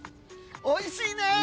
おいしいね！